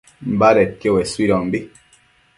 badedquio uesuidombi